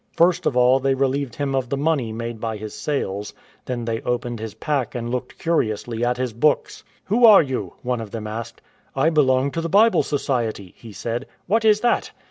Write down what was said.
First of all they relieved him of the money made by his sales, then they opened his pack and looked curiously at his books. " Who are you ?" one of them asked. " I belong to the Bible Society," he said. "What is that?"